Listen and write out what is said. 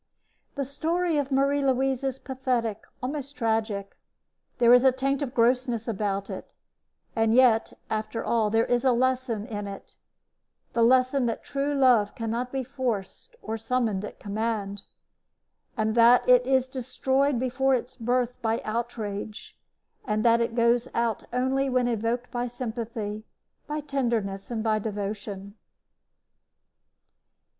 The story of Marie Louise is pathetic, almost tragic. There is the taint of grossness about it; and yet, after all, there is a lesson in it the lesson that true love cannot be forced or summoned at command, that it is destroyed before its birth by outrage, and that it goes out only when evoked by sympathy, by tenderness, and by devotion.